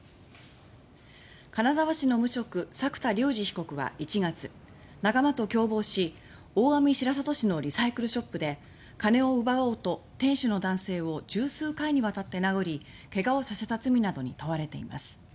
金沢市の無職、作田竜二被告は１月、仲間と共謀し大網白里市のリサイクルショップで金を奪おうと、店主の男性を１０数回にわたり殴り怪我をさせた罪などに問われています。